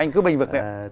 anh cứ bênh vực nè